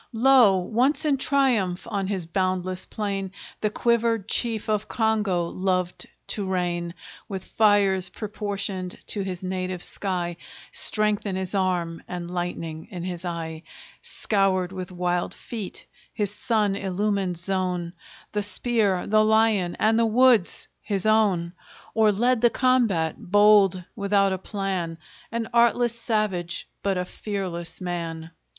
Lo! once in triumph, on his boundless plain, The quivered chief of Congo loved to reign; With fires proportioned to his native sky, Strength in his arm, and lightning in his eye; Scoured with wild feet his sun illumined zone, The spear, the lion, and the woods, his own; Or led the combat, bold without a plan, An artless savage, but a fearless man.